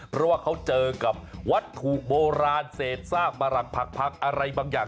เพราะว่าเขาเจอกับวัตถุโบราณเศษซากประหลักผักอะไรบางอย่าง